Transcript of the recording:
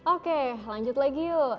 oke lanjut lagi yuk